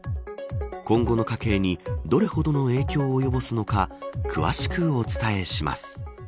今後の家計にどれほどの影響を及ぼすのか詳しくお伝えします。